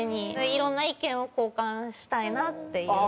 いろんな意見を交換したいなっていう。